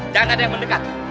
jangan ada yang mendekat